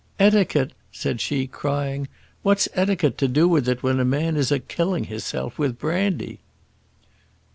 "Etiquette!" said she, crying. "What's etiquette to do with it when a man is a killing hisself with brandy?"